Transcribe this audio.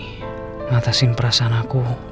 mengatasi perasaan aku